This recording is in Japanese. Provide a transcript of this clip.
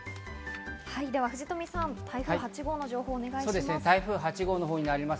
藤富さん、台風８号の情報をお願いします。